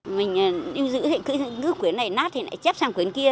mình yêu dữ cứ quyển này nát thì lại chép sang quyển kia